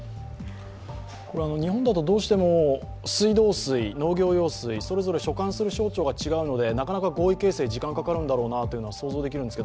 日本だと、どうしても水道水、農業用水、それぞれ所管する省庁が違うので、なかなか合意形成、時間がかかるんだろうなというのは想像できるんですが